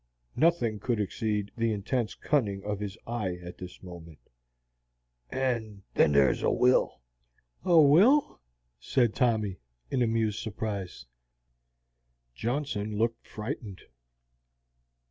nothing could exceed the intense cunning of his eye at this moment, "and then thar's a will." "A will?" said Tommy, in amused surprise. Johnson looked frightened.